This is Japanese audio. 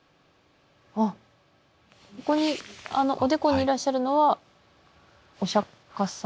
あっここにおでこにいらっしゃるのはお釈様なんですか？